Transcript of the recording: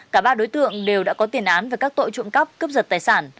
cả ba đối tượng đều đã có tiền án về các tội trộm cắp cướp giật tài sản